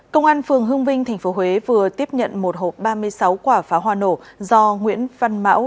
công an phường hương vinh tp huế vừa tiếp nhận một hộp ba mươi sáu quả pháo hoa nổ do nguyễn văn mão